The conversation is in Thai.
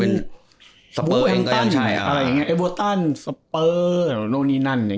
สเปอร์เองก็ยังใช่เอวอตันสเปอร์โรนีนั่น